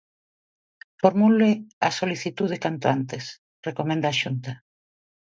Formule a solicitude canto antes, recomenda a Xunta.